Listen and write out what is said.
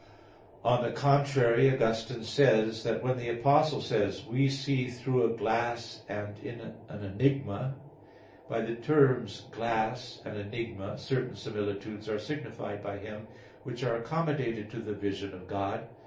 On the contrary, Augustine says (De Trin. xv) that when the Apostle says, "We see through a glass and in an enigma [*Douay: 'in a dark manner']," "by the terms 'glass' and 'enigma' certain similitudes are signified by him, which are accommodated to the vision of God."